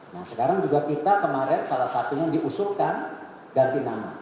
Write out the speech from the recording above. nah sekarang juga kita kemarin salah satunya diusulkan ganti nama